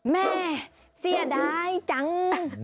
แม่เสียดายจัง